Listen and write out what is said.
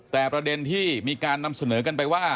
แต่ประเด็นที่มีการนำเสนอกันไปว่า